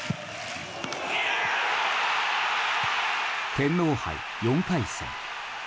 天皇杯４回戦。